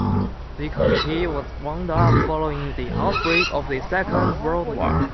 The Committee was wound up following the outbreak of the Second World War.